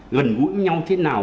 gần gũi với nhau thế nào